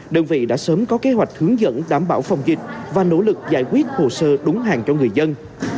đơn vị đã sớm có kế hoạch hướng dẫn đảm bảo phòng dịch và nỗ lực giải quyết hồ sơ đúng hàng cho người dân